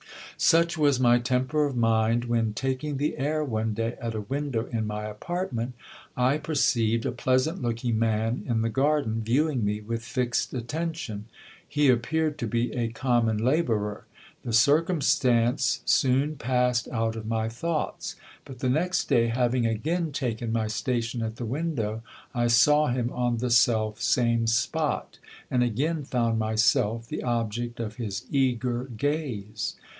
Such was my temper of mind, when, taking the air one day at a window in my apartment, I perceived a peasant looking man in the garden, viewing me with fixed attention. He appeared to be a common labourer. The circumstance soon passed out of my thoughts ; but the next day, having again taken my sta tion at the window, I saw him on the self same spot, and again found myself the object of his eager gaze.